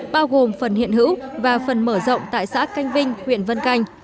bao gồm phần hiện hữu và phần mở rộng tại xã canh vinh huyện vân canh